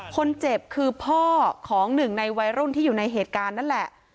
คนเจ็บคือพ่อของหนึ่งในวัยรุ่นที่อยู่ในเหตุการณ์นั่นแหละ